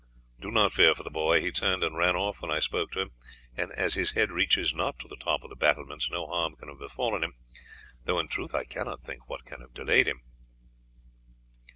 Do not fear for the boy; he turned and ran off when I spoke to him, and as his head reaches not to the top of the battlements no harm can have befallen him, though in truth I cannot think what can have delayed him."